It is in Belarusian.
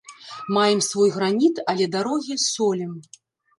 Маем свой граніт, але дарогі солім.